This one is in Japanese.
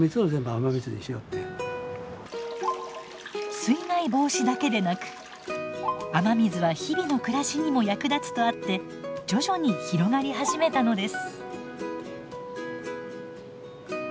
水害防止だけでなく雨水は日々の暮らしにも役立つとあって徐々に広がり始めたのです。